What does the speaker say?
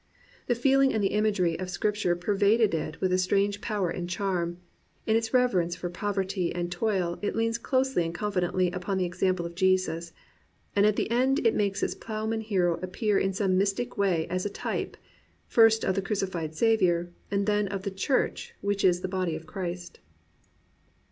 The feeling and the imagery of Scripture pervade it with a strange power and charm; in its reverence for poverty and toil it leans closely and confidently upon the example of Jesus; and at the end it makes its ploughman hero appear in some mystic way as a type, first of the crucified Saviour, and then of the church which is the body of Christ.